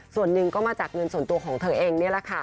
ส่วนหนึ่งก็มาจากเงินส่วนตัวของเธอเองนี่แหละค่ะ